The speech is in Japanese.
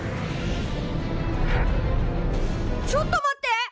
ちょっと待って！